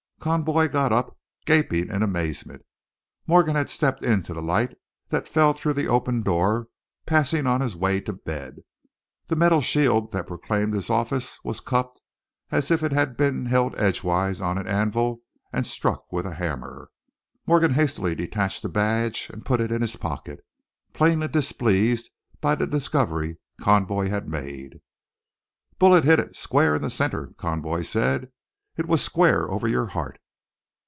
Conboy got up, gaping in amazement. Morgan had stepped into the light that fell through the open door, passing on his way to bed. The metal shield that proclaimed his office was cupped as if it had been held edgewise on an anvil and struck with a hammer. Morgan hastily detached the badge and put it in his pocket, plainly displeased by the discovery Conboy had made. "Bullet hit it, square in the center!" Conboy said. "It was square over your heart!"